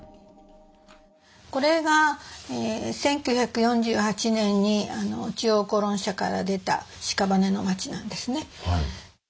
これが１９４８年に中央公論社から出た「屍の街」なんですね。